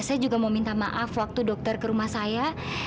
saya juga mau minta maaf waktu dokter ke rumah saya